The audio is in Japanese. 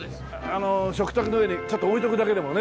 食卓の上にちょっと置いとくだけでもね。